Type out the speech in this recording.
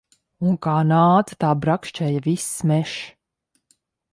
Un kā nāca, tā brakšķēja viss mežs.